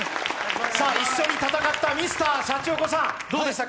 一緒に戦ったＭｒ．シャチホコさんどうでしたか？